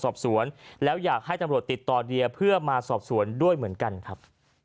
สอบสวนแล้วอยากให้ตำรวจติดต่อเดียเพื่อมาสอบสวนด้วยเหมือนกันครับ